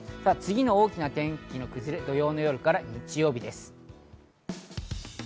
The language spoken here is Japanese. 次の大きな天気の崩れは土曜の夜から日曜日です。